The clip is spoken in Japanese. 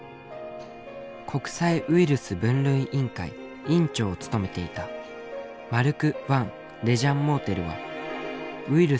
国際ウイルス分類委員会委員長を務めていたマルク・ヴァン・レジャンモーテルは」。